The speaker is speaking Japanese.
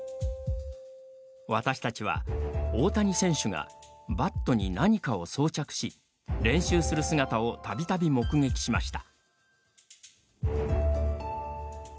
私たちは、大谷選手がバットに何かを装着し練習する姿をたびたび目撃しました。